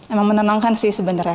emang menenangkan sih sebenarnya